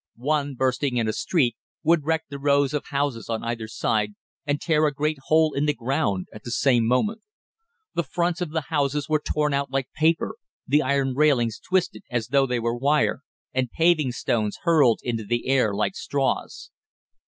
One bursting in a street would wreck the rows of houses on either side, and tear a great hole in the ground at the same moment. The fronts of the houses were torn out like paper, the iron railings twisted as though they were wire, and paving stones hurled into the air like straws.